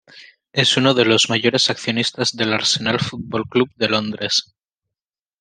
Es uno de los mayores accionistas del Arsenal Football Club de Londres.